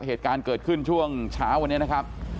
เหตุการณ์เกิดขึ้นช่วงเช้าวันนี้นะครับ